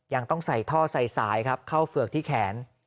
ยังต้องใส่ท่อใส่สายครับเข้าเฝือกที่แขน